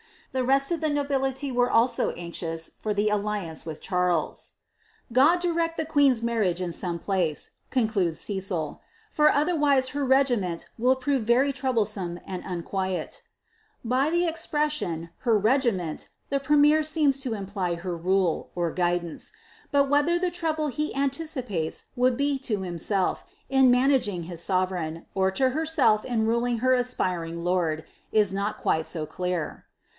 Tlie rest of the nobility were also anxious for the alliance with Charles. ^God direct the queen's marriage in some place," concludes Cecil, for otherwise her regiment will prove very troublesome and unquiet" By the expression, her regiment^ the premier seems to imply her rule, ori^idanee; but whether the trouble he anticipates would be to him ^iC in managing his sovereign, or to herself in ruling her aspiring lord, i* not quite so clear.